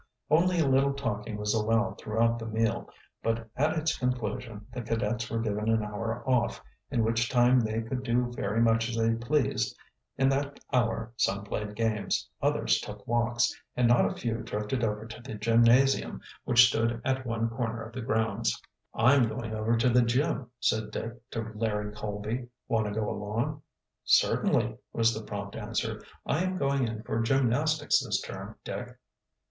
Only a little talking was allowed throughout the meal, but at its conclusion the cadets were given an hour off, in which time they could do very much as they pleased. In that hour some played games, others took walks, and not a few drifted over to the gymnasium, which stood at one corner of the grounds. "I'm going over to the gym," said Dick to Larry Colby. "Want to go along?" "Certainly," was the prompt answer. "I am going in for gymnastics this term, Dick."